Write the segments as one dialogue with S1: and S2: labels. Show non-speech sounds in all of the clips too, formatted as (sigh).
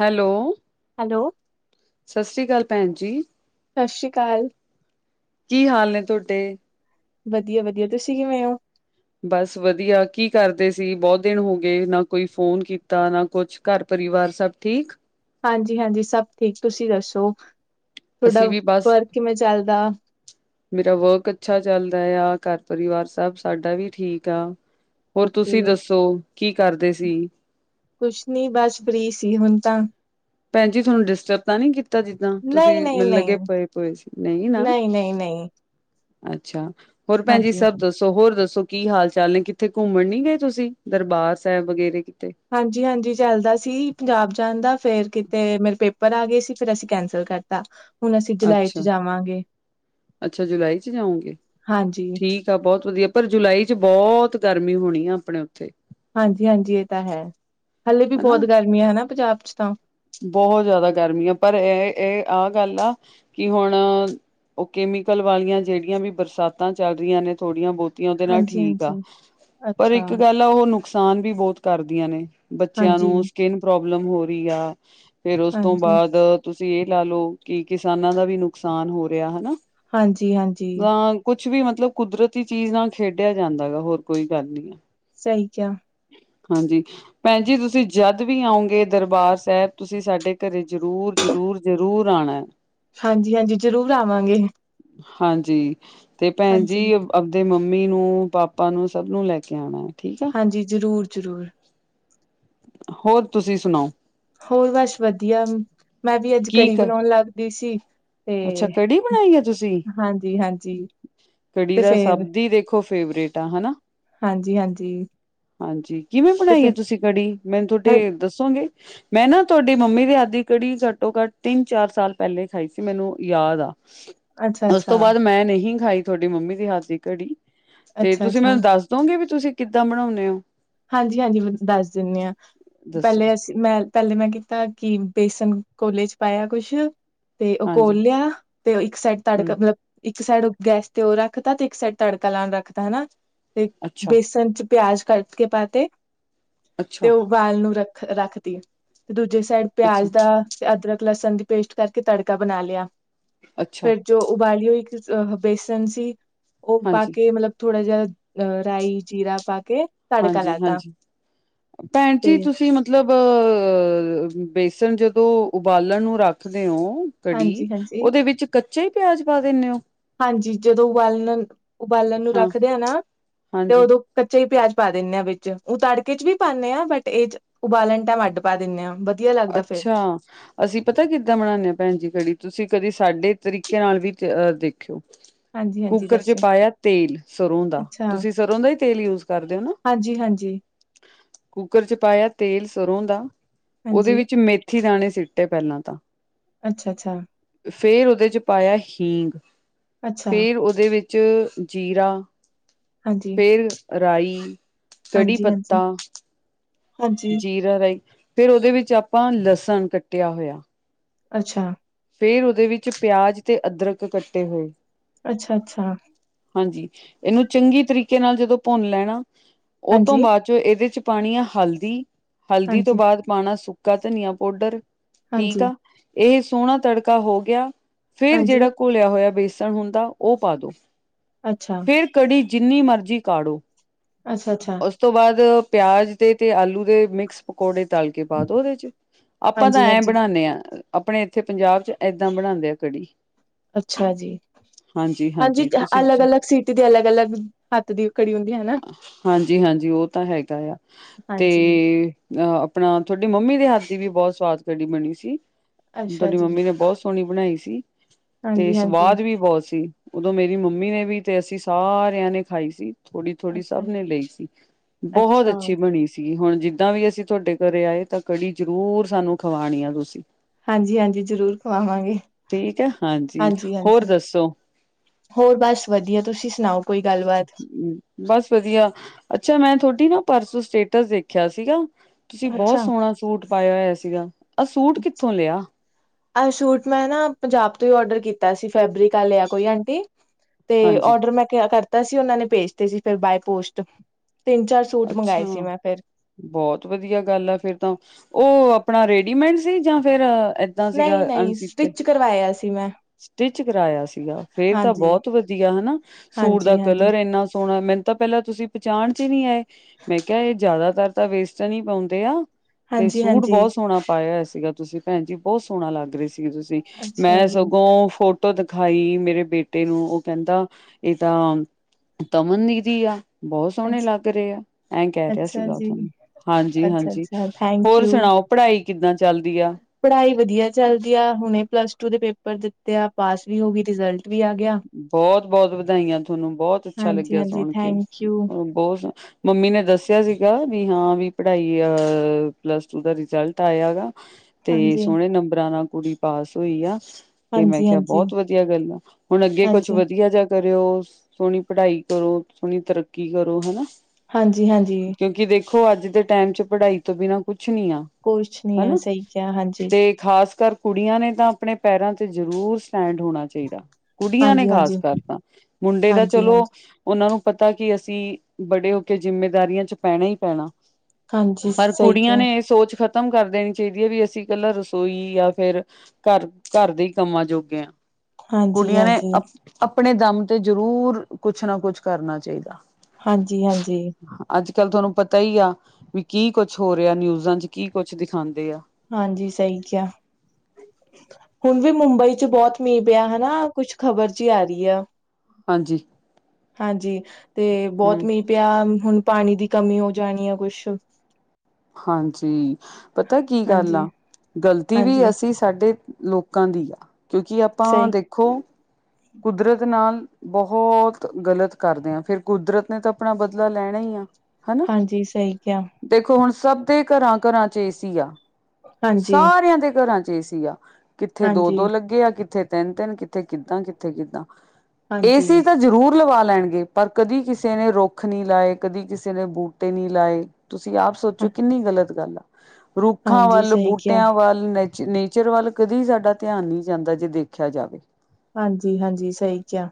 S1: Hello
S2: hello
S1: ਸਤਿ ਸ੍ਰੀ ਅਕਾਲ ਭੈਣ ਜੀ
S2: ਸਤਿ ਸ਼੍ਰੀ ਅਕਾਲ
S1: ਕੀ ਹਾਲ ਨੇ ਤੋਡੇ?
S2: ਵਧੀਆ, ਵਧੀਆ, ਤੁਸੀਂ ਕਿਵੇਂ ਓ?
S1: ਬਸ ਵਧੀਆ, ਕੀ ਕਰਦੇ ਸੀ? ਬਹੁਤ ਦਿਨ ਹੋ ਗਏ। ਨਾ ਕੋਈ ਫੋਨ ਕੀਤਾ, ਨਾ ਕੁਛ, ਘਰ-ਪਰਿਵਾਰ ਸਭ ਠੀਕ?
S2: ਹਾਂਜੀ, ਹਾਂਜੀ, ਸਭ ਠੀਕ। ਤੁਸੀਂ ਦੱਸੋ? ਤੁਹਾਡਾ
S1: ਅਸੀਂ ਵੀ ਬਸ
S2: ਵਰਕ ਕਿਵੇਂ ਚੱਲਦਾ?
S1: ਮੇਰਾ ਵਰਕ ਅੱਛਾ ਚੱਲਦਾ ਆ। ਘਰ-ਪਰਿਵਾਰ ਸਭ ਸਾਡਾ ਵੀ ਠੀਕ ਆ। ਹੋਰ
S2: ਓਕੇ।
S1: ਤੁਸੀਂ ਦੱਸੋ, ਕੀ ਕਰਦੇ ਸੀ?
S2: ਕੁਛ ਨੀ, ਬਸ ਫ੍ਰੀ ਸੀ ਹੁਨ। ਤਾਂ
S1: ਭੈਣਜੀ ਤੁਹਾਨੂੰ ਡਿਸਟਰਬ ਤਾਂ ਨਹੀਂ ਕੀ ਤਾਂ, ਜਿੱਦਾਂ ਤੁਸੀਂ ਮੈਨੂੰ
S2: ਨਹੀਂ-ਨਹੀਂ-ਨਹੀਂ,
S1: ਲਗਿਆ
S2: ਨਹੀਂ-ਨਹੀਂ,
S1: ਪਏ ਪਏ ਸੀ, ਨਹੀਂ ਨਾ?
S2: ਨਹੀਂ ਨਹੀਂ ਨਹੀਂ
S1: ਅੱਛਾ। ਹੋਰ ਭੈਣਜੀ
S2: ਹਾਂਜੀ।
S1: ਸਭ ਦੱਸੋ, ਹੋਰ ਦੱਸੋ? ਦੱਸੋ, ਕੀ ਹਾਲ ਚਾਲ ਨੇ? ਕਿੱਥੇ ਘੁੰਮਣ ਨੀ ਗਏ ਤੁਸੀਂ, ਦਰਬਾਰ ਸੈਬ ਵਗੈਰੇ?
S2: ਹਾਂਜੀ, ਹਾਂਜੀ, ਚੱਲਦਾ ਸੀ ਪੰਜਾਬ ਜਾਣ ਦਾ। ਫਿਰ ਕਿਤੇ ਮੇਰੇ ਪੇਪਰ ਆ ਗਏ ਸੀ। ਫਿਰ ਅਸੀਂ ਕੈਂਸਲ ਕਰਤਾ। ਹੁਣ ਅਸੀਂ ਜੁਲਾਈ ਚ
S1: ਅੱਛਾ,
S2: ਜਾਵਾਂਗੇ,
S1: ਅੱਛਾ, ਜੁਲਾਈ ਚ ਜਾਓਗੇ।
S2: ਹਾਂਜੀ।
S1: ਠੀਕ ਆ, ਬਹੁਤ ਵਧੀਆ ਪਰ ਜੁਲਾਈ ਚ ਬਹੁਤ। ਗਰਮੀ ਹੋਣੀ ਆ ਆਪਣੇ ਉੱਥੇ।
S2: ਹਾਂਜੀ, ਹਾਂਜੀ, ਇਹ ਤਾਂ ਹੈ। ਹਲੇੇ ਵੀ
S1: ਹਨਾ
S2: ਬਹੁਤ ਗਰਮੀ ਆ, ਹੈ ਨਾਂ ਪੰਜਾਬ ਵਿੱਚ। ਅੱਛਾ।
S1: ਬਹੁਤ ਜ਼ਿਆਦਾ ਗਰਮੀ ਆ ਪਰ ਇਹ ਇਹ ਆਹ ਗੱਲ ਆ ਕਿ ਹੁਣ ਉਹ ਕੈਮੀਕਲ ਵਾਲੀਆਂ ਜਿਹੜੀਆਂ ਵੀ ਬਰਸਾਤਾਂ ਚੱਲ ਰਹੀਆਂ ਨੇ, ਥੋੜੀਆਂ-ਬਹੁਤੀਆ। ਆ ਉਹਦੇ ਨਾਲ ਠੀਕ ਆ,
S2: ਹਾਂਜੀ-ਹਾਂਜੀ,
S1: ਪਰ
S2: ਅੱਛਾ,
S1: ਇੱਕ ਗੱਲ ਆ ਉਹ ਨੁਕਸਾਨ ਵੀ ਬਹੁਤ ਕਰਦੀ। ਦੀਆਂ ਨੇ। ਬੱਚਿਆਂ
S2: ਹਾਂਜੀ,
S1: ਨੂੰ ਸਕਿਨ ਪ੍ਰੋਬਲਮ। ਪ੍ਰੋਬਲਮ ਹੋ ਰਹੀ ਆ। ਫੇਰ ਉਸ ਤੋਂ
S2: ਹਾਂਜੀ,
S1: ਬਾਅਦ ਤੁਸੀਂ ਇਹ ਲਾ ਲਓ ਕਿ ਕਿਸਾਨਾਂ ਦਾ ਵੀ ਨੁਕਸਾਨ ਹੋ ਰਿਹਾ, ਹੈ ਨਾ?
S2: ਹਾਂਜੀ, ਹਾਂਜੀ।
S1: ਕੁਛ ਵੀ, ਮਤਲਬ ਕੁਦਰਤੀ ਚੀਜਾਂ ਨਾਲ ਖੇਡਿਆ ਜਾਂਦਾ ਹੈਗਾ, ਹੋਰ ਕੋਈ ਗੱਲ ਨੀ ਆ।
S2: ਸਹੀ ਕਿਹਾ।
S1: ਹਾਂਜੀ, ਭੈਣ ਜੀ ਤੁਸੀਂ ਜਦ ਵੀ ਆਓਂਗੇ ਦਰਬਾਰ ਸਾਹਿਬ- ਤੁਸੀਂ ਸਾਡੇ ਘਰੇ ਜ਼ਰੂਰ-ਜ਼ਰੂਰ, ਜਰੂਰ ਆਣਾ ਏ।
S2: ਹਾਂਜੀ ਹਾਂਜੀ ਜ਼ਰੂਰ ਆਵਾਂਗੇ
S1: ਹਾਂਜੀ। ਤੇ ਭੈਣ ਜੀ
S2: ਹਾਂਜੀ
S1: ਆਪਦੇ ਮੰ ਮੰਮੀ ਨੂੰ, ਪਾਪਾ ਨੂੰ, ਸਭ ਨੂੰ ਲੈ ਕੇ ਆਣਾ ਏ।
S2: ਹਾਂਜੀ, ਜ਼ਰੂਰ। ਜ਼ਰੂਰ।
S1: ਹੋਰ ਤੁਸੀਂ ਸੁਣਾਓ?
S2: ਹੋਰ ਬਸ ਵਧੀਆ। ਮੈਂ ਵੀ ਅੱਜ
S1: ਕੀ
S2: ਕੜੀ
S1: ਕਰ
S2: ਬਣਾਉਣ ਲੱਗ ਗਈ ਸੀ। (inaudible)
S1: ਅੱਛਾ ਕੜੀ ਬਣਾਈ ਹੈ ਤੁਸੀਂ,
S2: ਹਾਂਜੀ ਹਾਂਜੀ
S1: ਕੜੀ
S2: ਤੇ
S1: ਦਾ ਸਭ
S2: ਫੇਰ
S1: ਦੀ ਦੇਖੋ ਫੇਵਰੇਟ ਆ ਹੈ ਨਾ,
S2: ਹਾਂਜੀ ਹਾਂਜੀ
S1: ਹਾਂਜੀ ਕਿਵੇਂ
S2: ਤੇ
S1: ਬਣਾਈ ਆ
S2: ਫੇਰ
S1: ਤੁਸੀਂ ਕੜੀ ਮੈਨੂੰ ਤੁਹਾਡੇ ਦੱਸੋਗੇ। ਮੈਂ ਨਾ ਤੁਹਾਡੀ ਮੰਮੀ ਦੇ ਹੱਥ ਦੀ ਕੜੀ ਘੱਟੋ ਘੱਟ ਤਿੰਨ ਚਾਰ ਸਾਲ ਪਹਿਲੇ ਖਾਈ ਸੀ। ਮੈਨੂੰ ਯਾਦ ਆ।
S2: ਅੱਛਾ
S1: ਉਸ ਤੋਂ
S2: ਅੱਛਾ
S1: ਬਾਅਦ ਮੈਂ ਨਹੀਂ ਖਾਈ ਤੁਹਾਡੀ ਮੰਮੀ ਦੇ ਹੱਥ ਦੀ ਕੜੀ। ਤੇ
S2: ਅੱਛਾ
S1: ਤੁਸੀਂ
S2: ਅੱਛਾ
S1: ਮੈਨੂੰ ਦੱਸ ਦੇਵੋਗੇ ਵੀ ਤੁਸੀਂ। ਕਿੱਦਾਂ ਬਣਾਉਦੇ ਹੋ?
S2: ਹਾਂਜੀ, ਹਾਂਜੀ ਦੱਸ ਦਿੰਦੇ ਹਾਂ,
S1: ਦੱਸੋ
S2: ਪਹਿਲੇ ਅਸੀਂ ਮੈਂ ਪਹਿਲੇ ਮੈਂ ਕੀਤਾ ਕਿ ਬੇਸਨ ਕੋਲੇ ਚ ਪਾਇਆ ਕੁਛ। ਤੇ ਉਹ
S1: ਹਾਂਜੀ
S2: ਕੋਲ ਲਿਆ। ਤੇ ਉਹ ਇੱਕ ਸਾਈਡ ਤੜਕਾ
S1: ਹੂੰ
S2: ਮਤਲਬ ਇੱਕ ਸਾਈਡ ਗੈਸ ਤੇ ਉਹ ਰੱਖਤਾ ਤੇ ਇੱਕ ਸਾਈਡ ਤੜਕਾ ਲਾਉਣ ਰੱਖਤਾ ਹਨਾ ਤੇ
S1: ਅੱਛਾ
S2: ਬੇਸਨ ਚ ਪਿਆਜ ਘੱਟ ਉਸ ਕੇ ਪਾਤੇ ਤੇ
S1: ਅੱਛਾ
S2: ਉਹ ਓਬਾਲ ਨੂੰ ਰੱਖ ਰੱਖ ਤੀ ਤੇ ਦੂਜ ਦੂਜੇ ਸਾਈਡ
S1: ਅੱਛਾ
S2: ਪਿਆਜ ਦਾ ਤੇ ਅਦਰਕ ਲਸਣ ਦੀ ਪੇਸਟ ਕਰਕੇ ਤੜਕਾ ਬਣਾ ਲਿਆ।
S1: ਅੱਛਾ
S2: ਫੇਰ ਜੋ ਉਬਾਲੀ ਹੋਈ ਅ ਬੇਸਨ ਸੀ। ਉਹ ਪਾ
S1: ਹਾਂਜੀ
S2: ਕੇ ਮਤਲਬ ਥੋੜ੍ਹਾ ਜਿਹਾ ਅ ਰਾਈ ਜੀਰਾ ਪਾ ਕੇ ਤੜਕਾ
S1: ਹਾਂਜੀ,
S2: ਲਾਤਾ
S1: ਹਾਂਜੀ ਭੈਣ
S2: ਤੇ
S1: ਜੀ ਤੁਸੀਂ ਮਤਲਬ ਅ ਬੇਸ ਬੇਸਣ ਜਦੋਂ ਉਬਾਲਣ ਨੂੰ ਰੱਖਦੇ ਹੋ। ਕੜੀ
S2: ਹਾਂਜੀ ਹਾਂਜੀ
S1: ਉਹਦੇ ਵਿੱਚ ਕੱਚਾ ਹੀ ਪਿਆਜ ਪਾ ਦਿੰਦੇ ਓ
S2: ਹਾਂਜੀ ਜਦੋਂ ਉਬਾਲਣ, ਉਬਾਲਣ ਨੂੰ
S1: ਹਾਂ
S2: ਰੱਖਦੇ ਆ ਨਾ ਤੇ
S1: ਹਾਂਜੀ
S2: ਉਦੋਂ ਕੱਚਾ ਹੀ ਪਿਆਜ ਪਾ ਦਿੰਨੇ ਆ ਵਿੱਚ ਉਹ ਤੜਕੇ ਚ ਵੀ ਪਾਉਂਦੇ ਆ ਬਟ ਇਹ ਉਬਾਲਣ ਟਾਈਮ ਅੱਡ ਪਾ ਦਿੰਣੇ ਆ। ਵਧੀਆ ਲੱਗਦਾ ਫੇਰ
S1: ਅੱਛਾ ਅਸੀਂ ਪਤਾ ਕਿੱਦਾਂ ਬਨਾਦੇ ਹਾਂ ਭੈਣ ਜੀ ਕੜੀ ਤੁਸੀਂ ਕਦੇ ਸਾਡੇ ਤਰੀਕੇ ਨਾਲ ਵੀ ਅਹ ਦੇਖਿਓ।
S2: ਹਾਂਜੀ ਹਾਂਜੀ
S1: ਕੁੱਕਰ ਚ
S2: ਦੱਸਿਓ
S1: ਪਾਇਆ ਤੇਲ ਸਰ੍ਹੋਂ ਦਾ
S2: ਅੱਛਾ
S1: ਤੁਸੀਂ ਸਰ੍ਹੋਂ ਦਾ ਹੀ ਤੇਲ ਯੂਜ ਕਰਦੇ ਹੋ ਨਾ।
S2: ਹਾਂਜੀ ਹਾਂਜੀ
S1: ਕੁੱਕਰ ਚ ਪਾਇਆ ਤੇਲ ਸਰ੍ਹੋਂ ਦਾ। ਉਹਦੇ
S2: ਹਾਂਜੀ
S1: ਵਿੱਚ ਮੇਥੀ ਦਾਣੇ ਸੀਟੇ ਪਹਿਲਾਂ ਤਾਂ।
S2: ਅੱਛਾ ਅੱਛਾ।
S1: ਫੇਰ ਉਹਦੇ ਚ ਪਾਇਆ ਹਿੰਗ
S2: ਅੱਛਾ
S1: ਫੇਰ ਉਹਦੇ ਵਿੱਚ ਚ ਜ਼ੀਰਾ
S2: ਹਾਂਜੀ
S1: ਫੇਰ ਰਾਈ। ਕੜੀ
S2: ਹਾਂਜੀ
S1: ਪਤਾ
S2: ਹਾਂਜੀ ਹਾਂਜੀ
S1: ਜੀਰਾ ਰਾਈ ਫਿਰ ਉਹਦੇ ਵਿੱਚ ਆਪਾਂ ਲਸਣ ਕੱਟਿਆ ਹੋਇਆ।
S2: ਅੱਛਾ।
S1: ਫੇਰ ਉਹਦੇ ਵਿੱਚ ਪਿਆਜ ਤੇ ਅਦਰਕ ਕੱਟੇ ਹੋਏ।
S2: ਅੱਛਾ ਅੱਛਾ।
S1: ਹਾਂਜੀ ਇਹਨੂੰ ਚੰਗੀ ਤਰੀਕੇ ਨਾਲ ਜਦੋਂ ਭੁੰਨ ਲੈਣਾ ਉਹ ਤੋਂ
S2: ਹਾਂਜੀ
S1: ਬਾਅਦ ਚੋਂ ਇਹਦੇ ਚ ਪਾਣੀ ਆ ਹਲਦੀ ਹਲਦੀ ਤੋਂ
S2: ਹਾਂਜੀ
S1: ਬਾਅਦ ਪਾਉਣਾ ਸੁੱਕ ਕਾ ਧਨੀਆ ਪਾਊਡਰ ਠੀਕ
S2: ਹਾਂਜੀ
S1: ਆ। ਇਸ ਸੋਹਣਾ ਤੜਕਾ ਹੋ ਗਿਆ। ਫੇਰ
S2: ਹਾਂਜੀ
S1: ਜਿਹੜਾ ਘੋਲਿਆ ਹੋਇਆ ਬ ਣ ਹੁੰਦਾ ਉਹ ਪਾ ਦੋ
S2: ਅੱਛਾ
S1: ਫਿਰ ਕੜੀ ਜਿੰਨੀ ਮਰਜ਼ੀ ਕਾਢੋ
S2: ਅੱਛਾ ਅੱਛਾ
S1: ਉਸ ਤੋਂ ਬਾਅਦ ਪਿਆਜ ਤੇ ਆਲੂ ਦੇ ਮਿਕਸ ਪਕੌੜੇ ਤਲ ਕੇ ਪਾ ਦ ਉਹਦੇ ਚ ਆਪਾਂ ਤਾਂ
S2: ਹਾਂਜੀ
S1: ਐਂ
S2: ਹਾਂਜੀ
S1: ਬਣਾਦੇ ਹਾਂ। ਆਪਣੇ ਇੱਥੇ ਪੰਜਾਬ ਚ ਇਦਾਂ ਬਣਾਉਂਦੇ ਆ ਕੜੀ।
S2: ਅੱਛਾ ਜੀ ਹਾਂਜੀ ਅਲੱਗ ਅਲੱਗ ਸੀਟੀ ਦੀ ਅਲੱਗ ਅਲੱਗ ਹੱਥ ਦੀ ਕੜੀ ਹੁੰਦੀ ਹਨਾ
S1: ਹਾਂਜੀ-ਹਾਂਜੀ ਉਹ ਤਾਂ
S2: ਹਾਂਜੀ।
S1: ਅਹ ਆਪਣਾ ਤੁਹਾਡੀ ਮੰਮੀ ਦੇ ਹੱਥ ਦੀ ਵੀ ਬਹੁਤ ਸਵਾਦ ਕੜੀ ਬਣੀ ਸੀ।
S2: ਅੱਛਾ
S1: ਤੁਹਾਡੀ
S2: ਜੀ
S1: ਮੰਮੀ ਨੇ ਬਹੁਤ ਸੋਹਣੀ ਬਣਾਈ ਸੀ। ਤੇ
S2: ਹਾਂਜੀ-ਹਾਂਜੀ।
S1: ਸਵਾਦ ਵੀ ਬਹੁਤ ਸੀ। ਉਦੋਂ ਮੇਰੀ ਮੰਮੀ ਨੇ ਵੀ ਤੇ ਅਸੀਂ ਸਾਰਿਆਂ ਨੇ ਖਾਈ ਸੀ। ਥੋੜ੍ਹੀ ਥੋੜੀ
S2: ਅੱਛਾ।
S1: ਸਭ ਨੇ ਲਈ ਸੀ, ਬਹੁਤ
S2: ਅੱਛਾ,
S1: ਅੱਛੀ ਬਣੀ ਸੀਗੀ ਹੁਣ ਜਿੱਦਾਂ ਵੀ ਅਸੀਂ ਤੁਹਾਡੇ ਘਰੇ ਆਏ ਤਾਂ ਕੜੀ ਜ਼ਰੂਰ ਸਾਨੂੰ ਖਵਾਣੀ ਆ ਤੁਸੀਂ।
S2: ਹਾਂਜੀ ਹਾਂਜੀ, ਜ਼ਰੂਰ ਖਵਾਵਾਂਗੇ,
S1: ਠੀਕ ਹੈ
S2: ਹਾਂਜੀ
S1: ਹੋਰ
S2: ਹਾਂਜੀ,
S1: ਦੱਸੋ
S2: ਹੋਰ ਬਸ ਵਧੀਆ, ਤੁਸੀਂ ਸੁਣਾਉ।
S1: ਬਸ ਵਧੀਆ, ਅੱਛਾ ਮੈਂ ਤੁ ਤੁਹਾਡੇ ਨਾ ਪਰਸੋਂ ਸਟੇਟਸ ਦੇਖਿਆ ਸੀਗਾ ਤੁਸੀਂ ਬਹੁਤ
S2: ਅੱਛਾ।
S1: ਸੋਹਣਾ ਸੂਟ ਪਾਇਆ ਹੋਇਆ ਸੀਗਾ। ਆ ਸੂਟ ਕਿੱਥੋਂ ਲਿਆ?
S2: ਆ ਸੂਟ ਮੈਂ ਨਾ ਪੰਜਾਬ ਤੋਂ ਹੀ ਔਡਰ ਕੀਤਾ ਸੀ, ਫੈਬਰਿਕ ਵਾਲੇਆ ਕੋਲ ਆਂਟੀ। ਤੇ
S1: ਹਾਂਜੀ
S2: ਔਡਰ ਮੈਂ ਕ ਕਰ ਤਾਂ ਅਸੀਂ ਉਹਨਾਂ ਨੇ ਭੇਜਦੇ ਸੀ, ਫਿਰ ਬਾਏ ਪੋਸਟ ਤਿੰਨ ਚਾਰ ਸੂਟ
S1: ਅੱਛਾ,
S2: ਮੰਗਵਾਏ ਸੀ ਮੈਂ ਫਿਰ,
S1: ਬਹੁਤ ਵਧੀਆ ਗੱਲ ਆ ਫੇਰ ਤਾਂ, ਉਹ ਆਪਣਾ ਰੇਡੀਮੇਡ ਸੀ ਜਾਂ ਫੇਰ
S2: ਨਹੀਂ ਨਹੀਂ ਸਟਿਚ ਕਰਵਾਇਆ ਸੀ। ਮੈਂ,
S1: ਸਟਿਚ ਕਰਾਇਆ ਸੀਗਾ, ਫੇਰ ਤਾਂ
S2: ਹਾਂਜੀ।
S1: ਬਹੁਤ ਵਧੀਆ ਹਨਾ, ਸੂਟ ਦਾ
S2: ਹਾਂਜੀ-ਹਾਂਜੀ,
S1: ਕਲਰ ਇੰਨਾ ਸੋਹਣਾ ਮੈਨੂੰ। ਤਾਂ ਪਹਿਲਾਂ ਤੁਸੀਂ ਪਹਿਚਾਣ ਚ ਨਹੀਂ ਆਏ, ਮੈਂ ਕਿਹਾ ਇਹ ਜ਼ਿਆਦਾਤਰ ਤਾਂ ਵੇਸਟਨ ਹੀ ਪਾਉਂਦੇ ਆ ਤੇ ਸੂਟ
S2: ਹਾਂਜੀ-ਹਾਂਜੀ,
S1: ਬਹੁਤ ਸੋਹਣਾ ਪਾਇਆ ਹੋਇਆ ਸੀ। ਸੀਗਾ ਤੁਸੀਂ ਭੈਣ ਜੀ ਬਹੁਤ ਸੋਹਣਾ ਲੱਗ ਰਹੇ ਸੀ। ਤੁਸੀਂ
S2: ਅੱਛਾ
S1: ਮੈਂ ਫ਼ੋਨ
S2: ਜੀ,
S1: ਤੋਂ ਫੋਟੋ ਦਿਖਾਈ ਮੇਰੇ ਬੇਟੇ ਨੂੰ ਉਹ ਕਹਿੰਦਾ ਇਹ ਤਾਂ ਤਮਨ ਦੀਦੀ ਆ। ਬਹੁਤ ਸੋਹਣੇ
S2: ਅੱਛਾ।
S1: ਲੱਗ ਰਹੇ ਆ ਐਂ ਕਹਿ ਰਿਹਾ
S2: ਅੱਛਾ
S1: ਸੀਗਾ
S2: ਜੀ,
S1: ਤੁਹਾਨੂੰ ਹਾਂਜੀ ਹਾਂਜੀ
S2: ਅੱਛਾ-ਅੱਛਾ ਥੈਂਕ
S1: ਹੋਰ
S2: ਯੂ।
S1: ਸੁਣਾਓ ਪੜ੍ਹਾਈ। ਕਿੱਦਾਂ ਚੱਲਦੀ ਆ
S2: ਪੜ੍ਹਾਈ ਵਧੀਆ ਚੱਲਦੀ ਆ ਹੁਣੇ ਪਲੱਸ ਟੂ ਦੇ ਪੇਪਰ ਦਿੱਤੇ ਆ ਪਾਸ ਵੀ ਹੋ ਗਈ ਰਿਜ਼ਲਟ ਵੀ ਆ ਗਿਆ।
S1: ਬਹੁਤ ਵਧਾਈਆਂ ਤੁਹਾਨੂੰ ਬਹੁਤ ਅੱਛਾ
S2: ਹਾਂਜੀ
S1: ਲੱਗਿਆ
S2: ਹਾਂਜੀ
S1: ਸੁਣ ਕੇ
S2: ਥੈਂਕ ਯੂ
S1: ਬਹੁਤ ਮੰਮੀ ਨੇ ਦੱਸਿਆ ਸੀਗਾ ਵੀ ਹਾਂ ਵੀ ਪੜ੍ਹਾਈ ਅ ਪਲੱਸ ਟੂ ਦਾ ਰਿਜ਼ਲਟ ਆਇਆ ਗਾ। ਤੇ
S2: ਹਾਂਜੀ
S1: ਸੋਹਣੇ ਨੰਬਰਾਂ ਨਾਲ ਕੁੜੀ ਪਾਸ ਹੋਈ ਆ। ਤੇ ਮੈਂ
S2: ਹਾਂਜੀ
S1: ਕਿਹਾ
S2: ਹਾਂਜੀ
S1: ਬਹੁਤ ਵਧੀਆ ਗੱਲ ਆ। ਅੱਗੇ
S2: ਹਾਂਜੀ
S1: ਕੁਛ ਵਧੀਆ ਜਾ ਕਰਿਓ ਸੋਹਣੀ ਪੜ੍ਹਾਈ ਕਰੋ ਸੋਹਣੀ ਤਰੱਕੀ ਕਰੋ ਹਨਾ।
S2: ਹਾਂਜੀ ਹਾਂਜੀ।
S1: ਕਿਉਂਕਿ ਦੇਖੋ ਅੱਜ ਦੇ ਟਾਈਮ ਚ ਪੜ੍ਹਾਈ ਤੋਂ ਬਿਨਾਂ ਕੁਛ ਕੁਛ ਨੀ ਆ
S2: ਕੁਛ ਨੀ ਆ
S1: ਹਨਾ
S2: ਸਹੀ ਕਿਹਾ ਹਾਂਜੀ
S1: ਤੇ ਖਾਸ ਕਰ ਕੁੜੀਆਂ ਨੇ ਤਾਂ ਆਪਣੇ ਪੈਰਾਂ ਤੇ ਜ਼ਰੂਰ ਸਟੈਂਡ ਹੋਣਾ ਚਾਹੀਦਾ। ਕੁੜੀਆਂ ਨੇ
S2: ਹਾਂਜੀ
S1: ਖ਼ਾਸ
S2: ਹਾਂਜੀ
S1: ਕਰ ਤਾਂ ਮੁੰਡੇ ਤਾਂ
S2: ਹਾਂਜੀ
S1: ਚਲੋ
S2: ਹਾਂਜੀ
S1: ਉਹਨਾਂ ਨੂੰ ਪਤਾ ਕੀ ਅਸੀਂ ਬੜੇ ਹੋ ਕੇ ਜਿੰਮੇਦਾਰੀਆਂ ਚ ਪੈਣਾ ਹੀ ਪੈਣਾ।
S2: ਹਾਂਜੀ
S1: ਪਰ
S2: ਸਹੀ
S1: ਕੁੜੀਆਂ
S2: ਕਿਹਾ
S1: ਨੇ ਸੋਚ ਖਤਮ ਖ਼ਤਮ ਕਰ ਦੇਣੀ ਚਾਹੀਦੀ ਹੈ ਵੀ ਅਸੀਂ ਇਕੱਲਾ ਰਸੋਈ ਜਾਂ ਫੇਰ ਘਰ ਘਰ ਦੇ ਹੀ ਕੰਮਾਂ ਜੋਗੇ ਹਾਂ।
S2: ਹਾਂਜੀ
S1: ਕੁੜੀਆਂ ਨੇ
S2: ਹਾਂਜੀ
S1: ਉਪ ਆਪਣੇ ਦਮ ਤੇ ਜ਼ਰੂਰ ਕੁਛ ਨਾ ਕੁਛ ਕਰਨਾ ਚਾਹੀਦਾ।
S2: ਹਾਂਜੀ, ਹਾਂਜੀ।
S1: ਅੱਜ ਕੱਲ ਤੁਹਾਨੂੰ ਪਤਾ ਹੀ ਆ ਵੀ ਕੀ ਕੁਛ ਹੋ ਰਿਹਾ ਨਿਊਜ਼ਾਂ ਚ ਕੀ ਕੁਛ ਦਿਖਾਉਂਦੇ ਆ
S2: ਹਾਂਜੀ। ਸਹੀ ਕਿਹਾ। ਹੁਣ ਵੀ ਮੁੰਬਈ ਚ ਬਹੁਤ ਮੀਂਹ ਪਿਆ ਹਨਾ ਕੁਛ ਖ਼ਬਰ ਜਿਹੀ ਆ ਰਹੀ ਆ
S1: ਹਾਂਜੀ।
S2: ਹਾਂਜੀ। ਤੇ
S1: ਹਮ
S2: ਬਹੁਤ ਮੀਂਹ ਪਿਆ ਹੁਣ ਪਾਣੀ ਦੀ ਕਮੀ ਹੋ ਜਾਣੀ ਹੈ ਕੁਛ
S1: ਹਾਂਜੀ ਪਤਾ ਕੀ ਗੱਲ
S2: ਹਾਂਜੀ
S1: ਆ ਗਲਤੀ ਵੀ
S2: ਹਾਂਜੀ
S1: ਅਸੀਂ ਸਾਡੇ ਲੋਕਾਂ ਦੀ ਆ ਕਿਉਂਕਿ ਆਪਾਂ
S2: ਸਹੀ
S1: ਦੇਖੋ ਕੁਦਰਤ ਨਾਲ ਬਹੁਤ ਗਲਤ ਕਰਦੇ ਆ ਫਿਰ ਕੁਦਰਤ ਨੇ ਤਾਂ ਆਪਣਾ ਬਦਲਾ ਲੈਣਾ ਹੀ ਆ। ਹਨਾ
S2: ਹਾਂਜੀ। ਸਹੀ ਕਿਹਾ।
S1: ਦੇਖੋ ਹੁਣ ਸਭ ਦੇ ਘਰਾਂ, ਘਰਾਂ ਚ ਏਸੀ ਹੈ
S2: ਹਾਂਜੀ
S1: ਸਾਰਿਆਂ ਦੇ ਘਰਾਂ ਚ ਏਸੀ ਆ ਕਿੱਥੇ ਦੋ
S2: ਹਾਂਜੀ
S1: ਦੋ ਲੱਗੇ ਆ ਕਿੱਥੇ ਤਿੰਨ, ਤਿੰਨ ਕਿੱਥੇ, ਕਿੱਦਾਂ ਕਿੱਥੇ ਕਿੱਦਾਂ
S2: ਹਾਂਜੀ
S1: ਏਸੀ ਤਾਂ ਜ਼ਰੂਰ ਲਵਾ ਲ ਲੈਣਗੇ ਪਰ ਕਦੀ ਕਿਸੇ ਨੇ ਰੁੱਖ ਨਹੀਂ ਲਾਏ ਕਦੀ ਕਿਸੇ ਨੇ ਬੂਟੇ ਨਹੀਂ ਲਾਏ ਤੁਸੀਂ ਆਪ
S2: ਹਾਂ
S1: ਸੋਚੋ ਕਿੰਨੀ ਗਲਤ ਗੱਲ ਆ ਰੁੱਖਾਂ
S2: ਹਾਂਜੀ
S1: ਵੱਲ
S2: ਸਹੀ ਕਿਹਾ
S1: ਬੂਟਿਆਂ ਵੱਲ ਨ ਨੇਚਰ ਵੱਲ ਕਦੇ ਸਾਡਾ ਧਿਆਨ ਨਹੀਂ ਜਾਂਦਾ ਜੇ ਦੇਖਿਆ ਜਾਵੇ
S2: ਹਾਂਜੀ ਹਾਂਜੀ ਸਹੀ ਕਿਹਾ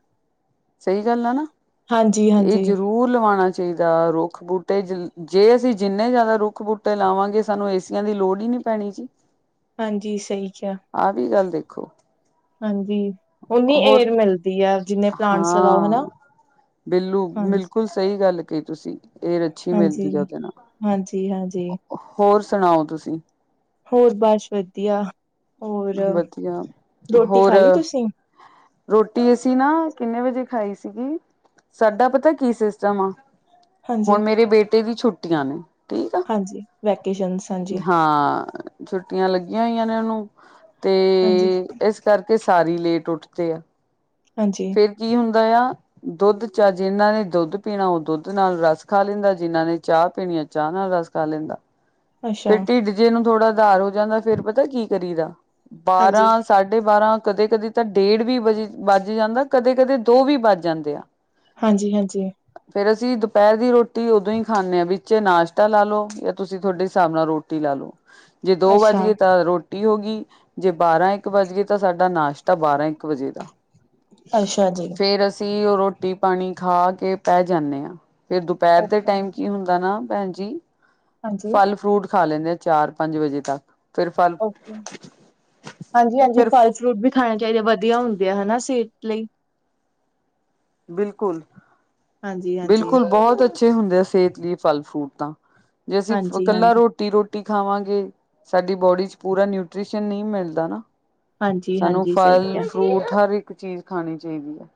S1: ਸਹੀ ਗੱਲ ਆ ਨਾ
S2: ਹਾਂਜੀ
S1: ਇਹ
S2: ਹਾਂਜੀ
S1: ਜ਼ਰੂਰ ਲਵਾਉਣਾਂ ਚਾਹੀਦਾ ਰੁੱਖ ਬੂਟੇ ਜੇ ਅਸੀਂ ਜਿੰਨੇ ਜ਼ਿਆਦਾ ਰੁੱਖ ਬੂਟੇ ਲਾਵਾਂਗੇ ਸਾਨੂੰ ਏਸੀਆਂ ਦੀ ਲੋੜ ਹੀ ਨੀ ਪੈਣੀ ਜੀ
S2: ਹਾਂਜੀ ਸਹੀ ਕਿਹਾ
S1: ਸਿੱੱਖੋ
S2: ਹਾਂਜੀ ਨੀ ਏਰ ਮਿਲੱਦੀ ਆ ਜਿੰਨੇ ਪਲਾਂਟਸ ਲਗਾਓ ਹਨਾ
S1: ਹਾਂ ਬਿੱਲੂ
S2: ਹਾਂਜੀ
S1: ਬਿਲਕੁਲ ਸਹੀ ਗੱਲ ਮਿੱਲ ਗੇ ਤੁਸੀਂ ਇਹ ਅੱਛੀ
S2: ਹਾਂਜੀ
S1: ਮਿਲਦੀ ਹੈ ਉਹਦੇ
S2: ਹਾਂਜੀ ਹਾਂਜੀ
S1: ਨਾਲ ਹੋਰ ਸੁਣਾਓ ਤੁਸੀਂ
S2: ਹੋਰ ਬੱਸ ਵਧੀਆ ਹੋਰ
S1: ਵਧੀਆ
S2: ਰੋਟੀ
S1: ਹੋਰ
S2: ਖਾ ਲਈ ਤੁਸੀਂ
S1: ਰੋਟੀ ਅਸੀਂ ਨਾ ਕਿੰਨੇ ਵਜੇ ਖਾਈ ਸੀਗੀ ਸਾਡਾ ਪਤਾ ਕੀ ਸਿਸਟੱਮ ਆ
S2: ਹਾਂਜੀ
S1: ਹੁਣ ਮੇਰੇ ਬੇਟੀੇ ਤੇ ਵੀ ਛੁੱਟੀਆਂ ਨੇ ਠੀਕ ਆ
S2: ਹਾਂਜੀ ਵੈਕੇਸ਼ਨ ਹਾਂਜੀ
S1: ਹਾਂ ਛੁੱਟੀਆਂ ਲੱਗੀਆਂ ਹੋਈਆਂ ਨੇ ਉਹਨੂੰ ਤੇ
S2: ਹਾਂਜੀ
S1: ਇਸ ਕਰਕੇ ਤੇ ਸਾਰੀ ਲੇਟ ਉੱਠਦੇ ਆ
S2: ਹਾਂਜੀ
S1: ਫਿਰ ਕੀ ਹੁੰਦਾ ਆ ਦੁੱਧ ਚਾਹ ਜਿੰਹਨਾਂ ਨੇ ਦੁੱਧ ਪੀਣਾਂ ਉਹ ਦੁੱਧ ਨਾਲ ਰਸ ਖਾ ਲੈਂਦਾ ਜਿਨਾਂ ਨੇ ਚਾਹ ਪੀਣੀ ਆ ਚਾਹ ਨਾਲ ਰਸ ਖਾ ਲੈਂਦਾ
S2: ਅੱਛਾ
S1: ਫਿਰ ਢਿੱਡ ਜੇ ਨੂੰ ਥੋੜਾ ਸੁਧਾਰ ਹੋ ਜਾਂਦਾ ਫਿਰ ਪਤਾ ਕੀ ਕਰੀ ਦਾ
S2: ਹਾਂਜੀ
S1: ਬਾਰਾਂ ਸਾਢੇ ਬਾਰਾਂ ਕਦੇ ਕਦੇ ਤਾਂ ਡੇਢ ਵੀ ਵੱਜ ਵੱਜ ਜਾਂਦਾ ਕਦੇ ਕਦੇ ਦੋ ਵੀ ਵੱਜ ਜਾਂਦੇ ਆ
S2: ਹਾਂਜੀ ਹਾਂਜੀ
S1: ਤੁਸੀਂ ਦੁਪਹਿੱਰ ਦੀ ਰੋਟੀ ਉਦੋਂ ਹੀ ਖਾਂਦੇ ਹਾਂ ਵਿੱਚ ਨਾਸ਼ਤਾ ਲਾ ਲਓ ਜਾਂ ਤੁਸੀਂ ਤੁਹਾੱਡੇ ਚਾਹ ਨਾਲ ਰੋਟੀ ਲੇ ਲੋ ਜੇ ਦੋ ਵੱਜ
S2: ਅੱਛਾ
S1: ਗਏ ਤਾਂ ਰੋਟੀ ਹੋ ਗਈ ਜੇ ਬਾਰਾਂ ਇੱਕ ਵੱਜ ਗਈ ਤਾਂ ਸਾਡਾ ਨਾਸ਼ਤਾ ਬਾਰਾਂ ਇੱਕ ਵਜੇ ਦਾ
S2: ਅੱਛਾ ਜੀ
S1: ਕਿ ਉਹ ਰੋਟੀ ਪਾਣੀ ਖਾ ਕੇ ਪੈ ਜਾਂਦੇ ਆਂ ਫਿਰ ਦੁਪਹਿੱਰ ਦੇ
S2: ਓਕੇ
S1: ਟਾਈਮ ਕੀ ਹੁੰਦਾ ਨਾ ਭੈਣ ਜਜੀ।
S2: ਹਾਂਜੀ
S1: ਫਲ ਫਰੂਟ। ਖਾ ਲੈਂਦੇ ਆ ਚਾਰ ਪੰਜ ਵਜੇ ਤੱਕ। ਫਿਰ ਫਲ
S2: ਹਾਂਜੀ ਹਾਂਜੀ
S1: ਫਿਰ
S2: ਫਲ ਫਰੂਟ ਵੀ ਖਾਣੇ ਚਾਹੀਦੇ ਵਆ। ਵਧੀਆ ਹੁੰਦੀਆਂ ਹਨਾ ਸੇਹਤ ਲਈ।
S1: ਬਿਲਕੁਲ।
S2: ਹਾਂਜੀ-ਹਾਂਜੀ।
S1: ਬਿਲਕੁਲ ਬਹੁਤ ਅੱਛਾ। ਅੱਛੇ ਹੁੰਦੇ ਆ ਸਿਹਤ ਲਈ ਫਲ ਫਰੂਟ ਤਾਂ। ਜੇ ਅਸੀਂ ਇਕੱਲਾ
S2: ਹਾਂਜੀ-ਹਾਂਜੀ,
S1: ਰੋਟੀ ਰੋਟੀ ਖਾਵਾਂਗੇ ਸਾਡੀ ਬੋਡੀ ਚ ਪੂਰਾ ਨਿਊਟ੍ਰੀਸ਼ਨ ਨਹੀਂ ਮਿਲਦਾ ਨਾ। ਸਾਨੂੰ
S2: ਹਾਂਜੀ-ਹਾਂਜੀ ਸਹੀ
S1: ਫਲ
S2: ਕਿਹਾ
S1: ਫਰੂਟ ਹਰ ਇੱਕ ਇੱਕ ਚੀਜ਼ ਖਾਣੀ ਚਾਹੀਦੀ ਹੈ।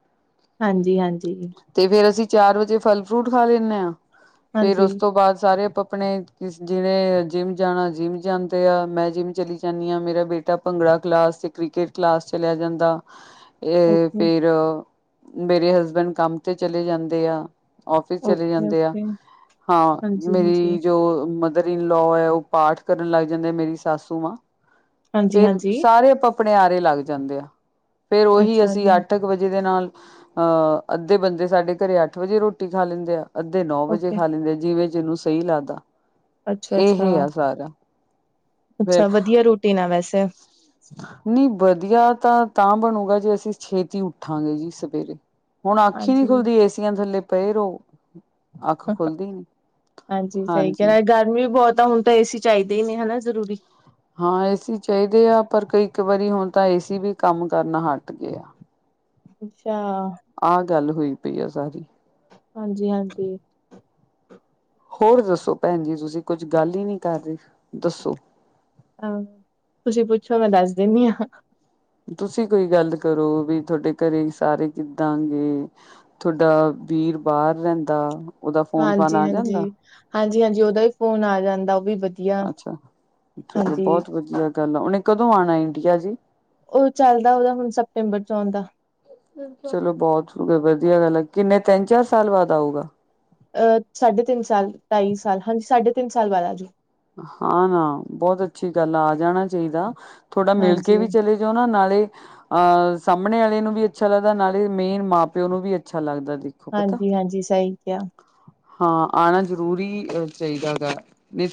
S2: ਹਾਂਜੀ ਹਾਂਜੀ।
S1: ਤੇ ਫਿਰ ਅਸੀਂ ਚਾਰ ਵਜੇ ਫਲ ਫਰੂਟ ਖਾ ਲੈਂਦੇ ਹਾਂ। ਫਿਰ
S2: ਹਾਂਜੀ,
S1: ਉਸ
S2: ਹਾਂਜੀ
S1: ਤੋਂ ਬਾਅਦ ਸਾਰੇ ਆਪਣੇ ਜਿਹੜੇ ਜਿੰਮ ਜਾਣਾ ਜਿੰਮ ਜਾਂਦੇ ਆ ਮੈਂ ਜਿੰਮ ਚਲੀ ਜਾਂਦੀ ਹਾਂ ਮੇਰਾ ਬੇਟਾ ਭੰਗੜਾ ਕਲਾਸ ਤੇ ਕ੍ਰਿਕਟ ਕਲਾਸ ਚਲਿਆ ਜਾਂਦਾ। ਇਹ
S2: ਓਕੇ,
S1: ਫਿਰ ਮੇਰੇ ਹਸਬੈਂਡ। ਕੰਮ ਤੇ ਚਲੇ ਜਾਂਦੇ ਆ ਆਫਿਸ ਚਲੇ
S2: ਓਕੇ,
S1: ਜਾਂਦੇ ਆ
S2: ਓਕੇ
S1: ਹਾਂ ਮੇਰੀ
S2: ਹਾਂਜੀ-ਹਾਂਜੀ,
S1: ਜੋ ਮਦਰ ਲੋ ਹੈ ਉਹ ਪਾਠ ਕਰਨ ਲੱਗ ਜਾਂਦੇ ਮੇਰੀ ਸਾਸੂ ਮਾਂ। ਫਿਰ
S2: ਹਾਂਜੀ-ਹਾਂਜੀ।
S1: ਸਾਰੇ ਆਪਾਂ ਆਪਣੇ ਆਰੇ ਲੱਗ ਜਾਂਦੇ ਆ। ਫਿਰ ਉਹੀ ਅਸੀਂ
S2: ਅੱਛਾ-ਅੱਛਾ,
S1: ਅੱਠ ਕੁ ਵਜੇ ਦੇ ਨਾਲ ਅਹ। ਅੱਧੇ ਬੰਦੇ ਸਾਡੇ ਘਰੇ ਅੱਠ ਵਜੇ ਰੋਟੀ ਖਾ ਲੈਂਦੇ ਆ। ਅੱਧੇ ਨੌ ਵਜੇ
S2: ਓਕੇ।
S1: ਖਾ ਲੈਂਦੇ ਜਿਵੇਂ ਜਿਹਨੂੰ ਸਹੀ ਲੱਗਦਾ।
S2: ਅੱਛਾ-ਅੱਛਾ,
S1: ਇਹ ਆ
S2: ਅੱਛਾ
S1: ਸਾਰਾ
S2: ਅੱਛਾ ਵਧੀਆ ਰੋਟੀ ਨਾਲ ਵੈਸੇ ਤੇ।
S1: ਨੀ। ਵਧੀਆ ਤਾਂ ਤਾਂ ਬਣੂਗਾ ਜੇ ਅਸੀਂ ਛੇਤੀ ਉੱਠਾਂਗੇ ਜੀ ਸਵੇਰੇ। ਹੁਣ ਅਖੀ ਨੀ
S2: ਹਾਂਜੀ।
S1: ਖੁੱਲਦੀ ਏਸੀਆਂ ਥੱਲੇ। ਪਏ ਰੋ
S2: ਹਾਂਜੀ, ਸਹੀ ਕਿਹਾ ਗਰਮੀ ਬਹੁਤ ਤਾਂ ਹੁਣ ਤਾਂ ਏਸੀ ਚਾਹੀਦੇ ਹੀ ਨੇ, ਹਨਾ ਜ਼ਰੂਰੀ
S1: ਹਾਂ, ਏਸੀ ਚਾਹੀਦੇ ਆ। ਪਰ ਕਈ ਇੱਕ ਵਾਰੀ ਹੁਣ ਤਾਂ ਏਸੀ ਵੀ ਕੰਮ ਕਰਨਾ ਹਟ ਗਏ ਆ।
S2: ਅੱਛਾ। ਆ।
S1: ਆਹ ਗੱਲ ਹੋਈ ਪਈ ਆ ਸਾਰੀ।
S2: ਹਾਂਜੀ, ਹਾਂਜੀ।
S1: ਹੋਰ ਦੱਸੋ ਭੈਣ ਜੀ, ਤੁਸੀਂ ਕੁਝ ਗੱਲ ਹੀ ਨਹੀਂ ਕਰ ਰਹੇ, ਦੱਸੋ?
S2: ਆਹ, ਤੁਸੀਂ ਪੁੱਛੋ, ਮੈਂ ਦੱਸ ਦਿਨੀ ਆ।
S1: ਤੁਸੀਂ ਕੋਈ ਗੱਲ ਕਰੋ ਵੀ। ਤੁਹਾਡੇ ਘਰੇ ਸਾਰੇ ਕਿੱਦਾਂ ਗ? ਤੁਹਾਡਾ ਵੀਰ ਬਾਹਰ ਰਹਿੰਦਾ? ਉਹਦਾ ਫੋਨ ਫਾਨ
S2: ਹਾਂਜੀ, ਹਾਂਜੀ,
S1: ਆ ਜਾਂਦਾ
S2: ਹਾਂਜੀ। ਹਾਂਜੀ, ਹਾਂਜੀ, ਉਹਦਾ ਈ ਫੋਨ ਆ ਜਾਂਦਾ, ਉਹ ਵੀ ਵਧੀਆ
S1: ਅੱਛਾ, ਚਲੋ
S2: ਹਾਂਜੀ।
S1: ਬਹੁਤ ਵਧੀਆ ਗੱਲ, ਉਹਨੇ ਕਦੋਂ ਆਉਣਾ ਇੰਡੀਆ ਜੀ?
S2: ਉਹ ਚੱਲਦਾ ਉਹਦਾ ਹੁਣ ਸਤੰਬਰ ਚ ਆਉਂਦਾ।
S1: ਚਲੋ, ਬਹੁਤ ਵ ਵਧੀਆ ਗੱਲ ਏ। ਕਿੰਨੇ ਤਿੰਨ-ਚਾਰ ਸਾਲ ਬਾਦ ਆਊਗਾ?
S2: ਅਹ ਸਾਢੇ ਤਿੰਨ ਸਾਲ, ਢਾਈ ਸਾਲ, ਹਾਂਜੀ, ਸਾਢੇ ਤਿੰਨ ਸਾਲ ਬਾਅਦ ਆ ਜੂ
S1: ਹਾਂ, ਨਾ, ਬਹੁਤ ਅੱਛੀ ਗੱਲ ਆ, ਆ ਜਾਣਾ ਚਾਹੀਦਾ। ਥੋੜਾ ਮਿਲ ਕੇ
S2: ਹਾਂਜੀ।
S1: ਵੀ ਚਲੇ ਜਾਓ ਨਾ ਨਾਲੇ ਅਹ ਸਾਹਮਣੇ ਵਾਲੇ ਨੂੰ ਵੀ ਅੱਛਾ ਲੱਗਦਾ ਨਾਲੇ ਮੇਨ ਮਾਂ-ਪਿਓ ਨੂੰ ਵੀ ਅੱਛਾ ਲੱਗਦਾ। ਦੇਖੋ ਪਤਾ
S2: ਹਾਂਜੀ, ਹਾਂਜੀ, ਸਹੀ ਕਿਹਾ।
S1: ਹਾਂ, ਆਣਾ ਜ਼ਰੂਰੀ ਚਾਹੀਦਾ ਹੈ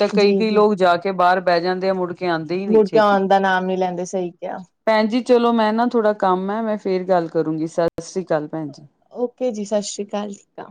S1: ਗਾ। ਕਈ-ਕਈ
S2: ਜੀ-ਜੀ
S1: ਲੋਕ ਜਾ ਕੇ ਬਾਰ ਪੈ ਜਾਂਦੇ ਆ, ਮੁੜਦੇ
S2: ਮੁੜ ਕੇ ਆਉਣ ਦਾ ਨਾਮ ਨੀ ਲੈਂਦੇ ਸਹੀ ਕਿਹਾ।
S1: ਭੈਣ ਜੀ ਚਲੋ, ਮੈਂ ਨਾ ਥੋੜਾ ਕੰਮ ਏ, ਮੈਂ ਫੇਰ ਗੱਲ ਕਰੂੰਗੀ, ਸਤਿ ਸ੍ਰੀ ਅਕਾਲ ਭੈਣ ਜੀ।
S2: ਓਕੇ ਜੀ। ਸਤਿ ਸ੍ਰੀ ਅਕਾਲ, ਠੀਕ ਆ।